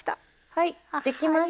はいできました。